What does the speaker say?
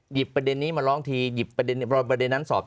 หลายครั้งหลายครั้งหลายครั้งหลายครั้งหลายครั้งหลายครั้ง